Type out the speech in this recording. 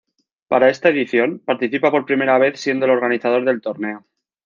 Para esta edición, participa por primera vez siendo el organizador del torneo.